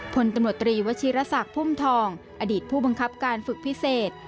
พลตำรวจตรีวชิรษักพุ่มทองอดีตผู้บังคับการฝึกพิเศษ